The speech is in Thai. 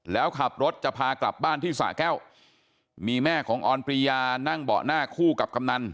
แล้วขับรถจะพากลับบ้านที่สะแก้วมีแม่ของออนปรียานั่งเบาะหน้าคู่กับกำนัน